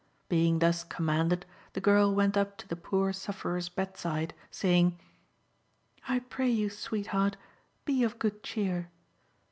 Being thus commanded, the girl went up to the poor sufferer's bedside, saying " I pray you, sweetheart, be of good cheer."